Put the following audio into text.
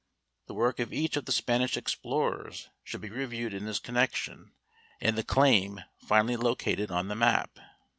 The work of each of the Spanish explorers should be reviewed in this connection, and the claim finally located on the map.